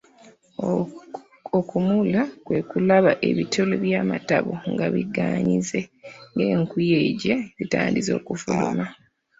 Okummula kwe kulaba ebituli by'amatabo nga bigaziye ng'enkuyege zitandise okufuluma.